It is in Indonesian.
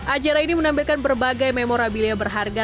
acara ini menampilkan berbagai memorabilia berharga